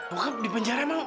bokap di penjara mana